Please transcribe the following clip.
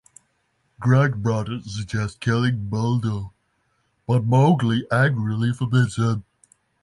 Grey Brother suggests killing Buldeo, but Mowgli angrily forbids him.